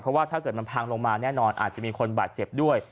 เพราะว่าถ้าเกิดมันพังลงมาแน่นอนอาจจะมีคนบาดเจ็บด้วย